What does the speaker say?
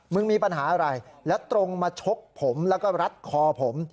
มีปัญหาอะไรแล้วตรงมาชกผมแล้วก็รัดคอผม